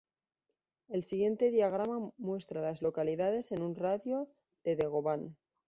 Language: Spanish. El siguiente diagrama muestra a las localidades en un radio de de Govan.